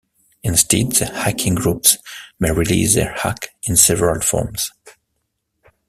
Instead, the hacking groups may release their hack in several forms.